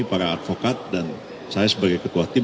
para advokat dan saya sebagai ketua tim